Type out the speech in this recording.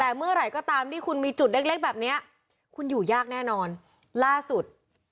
แต่เมื่อไหร่ก็ตามที่คุณมีจุดเล็กแบบนี้